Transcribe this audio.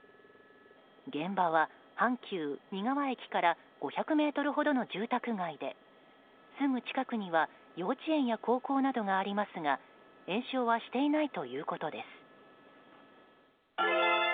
現場は阪急仁川駅から５００ｍほどの住宅街ですぐ近くには幼稚園や高校などがありますが延焼はしていないということです。